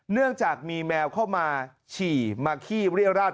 เนื่องจากมีแมวเข้ามาฉี่มาขี้เรียราช